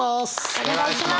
お願いします！